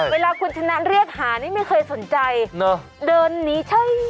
เวลาคุณชนะเรียกหานี่ไม่เคยสนใจเดินหนีเฉย